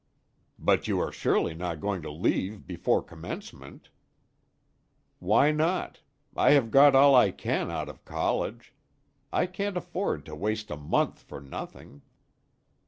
"But you are surely not going to leave before Commencement?" "Why not? I have got all I can out of college. I can't afford to waste a month for nothing."